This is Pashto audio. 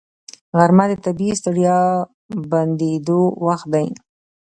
غرمه د طبیعي ستړیا بندېدو وخت دی